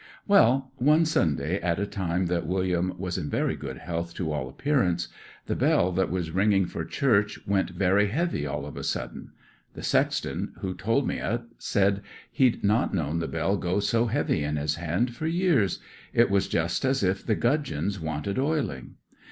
Well, one Sunday, at a time that William was in very good health to all appearance, the bell that was ringing for church went very heavy all of a sudden; the sexton, who told me o't, said he'd not known the bell go so heavy in his hand for years—it was just as if the gudgeons wanted oiling.